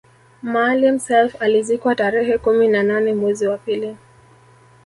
Maalim Self alizikwa tarehe kumi na nane mwezi wa pili